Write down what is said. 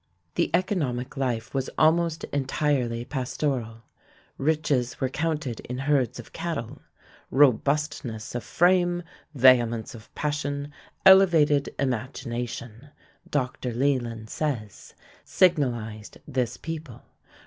The economic life was almost entirely pastoral. Riches were counted in herds of cattle. "Robustness of frame, vehemence of passion, elevated imagination," Dr. Leland says, signalized this people.